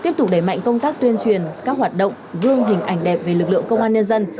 mạnh công tác tuyên truyền các hoạt động gương hình ảnh đẹp về lực lượng công an nhân dân